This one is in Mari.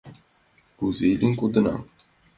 Кузе илен кодынам?